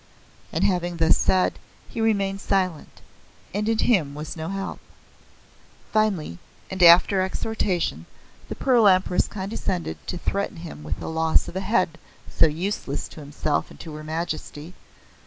And having thus said he remained silent, and in him was no help. Finally and after exhortation the Pearl Empress condescended to threaten him with the loss of a head so useless to himself and to her majesty.